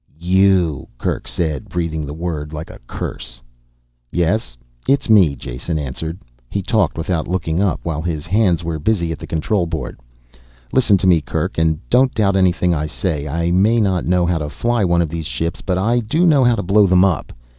"You!" Kerk said, breathing the word like a curse. "Yes, it's me," Jason answered. He talked without looking up, while his hands were busy at the control board. "Listen to me, Kerk and don't doubt anything I say. I may not know how to fly one of these ships, but I do know how to blow them up.